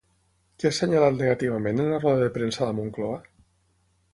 Què ha assenyalat negativament en la roda de premsa a La Moncloa?